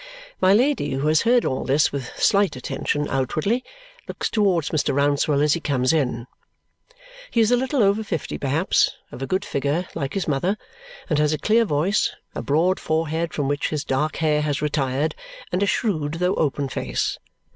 My Lady, who has heard all this with slight attention outwardly, looks towards Mr. Rouncewell as he comes in. He is a little over fifty perhaps, of a good figure, like his mother, and has a clear voice, a broad forehead from which his dark hair has retired, and a shrewd though open face.